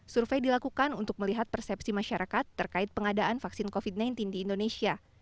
survei dilakukan untuk melihat persepsi masyarakat terkait pengadaan vaksin covid sembilan belas di indonesia